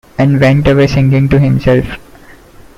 And went away singing to himself.